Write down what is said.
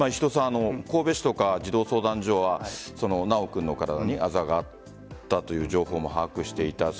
神戸市とか児童相談所は修君の体にあざがあったという状況も把握していた。